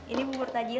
ini bubur tajilnya